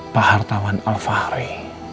pak hartawan alfahri